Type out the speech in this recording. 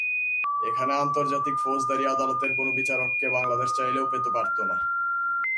এখানে আন্তর্জাতিক ফৌজদারি আদালতের কোনো বিচারককে বাংলাদেশ চাইলেও পেতে পারত না।